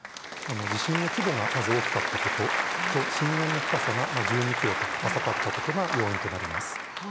地震の規模がまず大きかったことと震源の深さが１２ｋｍと浅かったことが要因となります。